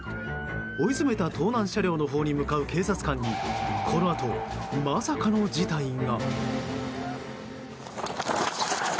追い詰めた盗難車両のほうに向かう警察官にこのあと、まさかの事態が。